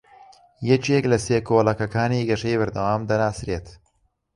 یەکێک لە سێ کۆڵەکەکانی گەشەی بەردەوام دەناسرێت